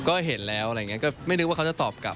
ก็เห็นแล้วอะไรอย่างนี้ก็ไม่นึกว่าเขาจะตอบกลับ